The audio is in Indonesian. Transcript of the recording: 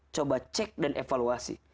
coba cek dan evaluasi